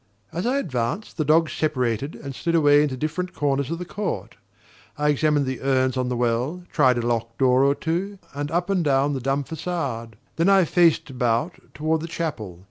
As I advanced, the dogs separated and slid away into different corners of the court. I examined the urns on the well, tried a locked door or two, and up and down the dumb facade; then I faced about toward the chapel.